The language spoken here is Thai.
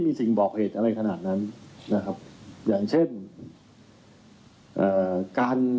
มีสิ่งบอกเหตุอะไรขนาดนั้นนะครับอย่างเช่นเอ่อการ